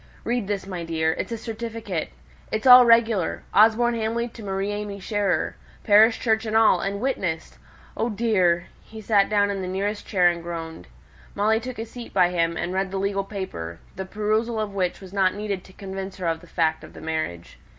Read this, my dear. It's a certificate. It's all regular Osborne Hamley to Marie AimÄe Scherer, parish church and all, and witnessed. Oh, dear!" He sate down in the nearest chair and groaned. Molly took a seat by him, and read the legal paper, the perusal of which was not needed to convince her of the fact of the marriage.